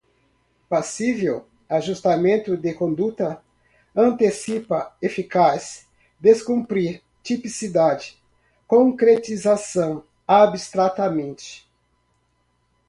passível, ajustamento de conduta, antecipa, eficaz, descumprir, tipicidade, concretização, abstratamente